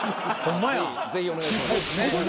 ぜひお願いします。